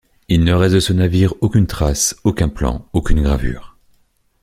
Il ne reste de ce navire aucune trace, aucun plan, aucune gravure.